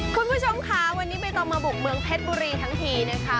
คุณผู้ชมค่ะวันนี้ใบตองมาบุกเมืองเพชรบุรีทั้งทีนะคะ